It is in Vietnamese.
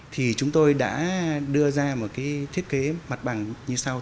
thì chúng tôi đã đưa ra một cái thiết kế mặt bằng như sau